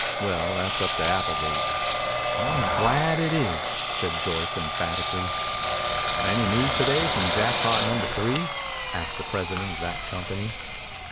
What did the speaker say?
Well, that's up to Applegate." "I'm glad it is," said Joyce emphatically. "Any news to day from Jackpot Number Three?" asked the president of that company.